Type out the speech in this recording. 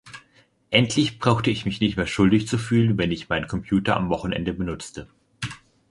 Endlich brauchte ich mich nicht mehr schuldig zu fühlen, wenn ich meinen Computer am Wochenende benutzte.